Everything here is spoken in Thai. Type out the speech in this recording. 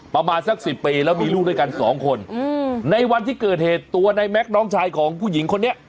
ประมาณสัก๑๐ปีแล้วมีลูกด้วยกัน๒คนในวันที่เกิดเหตุตัวนายนรงศักดิ์ศรีชายของผู้หญิงคนนี้